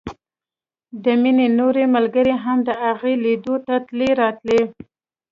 د مينې نورې ملګرې هم د هغې ليدلو ته تلې راتلې